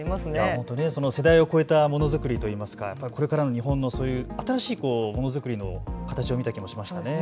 本当、世代を越えたものづくりといいますかこれからの日本の新しいものづくりの形を見た気がします。